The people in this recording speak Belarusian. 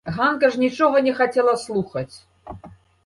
Ганка ж нічога не хацела слухаць.